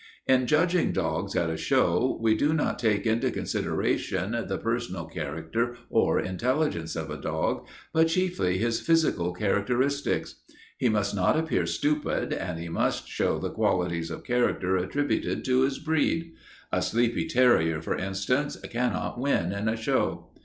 "In judging dogs at a show, we do not take into consideration the personal character or intelligence of a dog, but chiefly his physical characteristics. He must not appear stupid, and he must show the qualities of character attributed to his breed. A sleepy terrier, for instance, cannot win in a show.